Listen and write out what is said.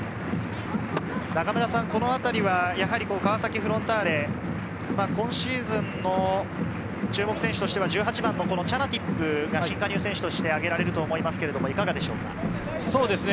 このあたりは川崎フロンターレ、今シーズンの注目選手としては１８番のチャナティップが選手としてあげられると思いますけど、いかがでしょうか？